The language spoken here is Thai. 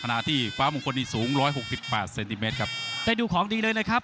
ที่ฟ้ามงคลนี้สูงร้อยหกสิบแปดเซนติเมตรครับได้ดูของดีเลยนะครับ